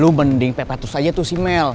lo mending pepet terus aja tuh si mel